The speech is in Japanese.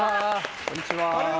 こんにちは。